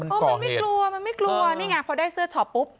มันกล่องเหตุมันไม่กลัวมันไม่กลัวนี่ไงพอได้เสื้อช็อปปุ๊บ